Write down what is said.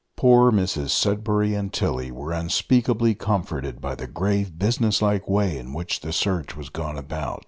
Poor Mrs Sudberry and Tilly were unspeakably comforted by the grave business like way, in which the search was gone about.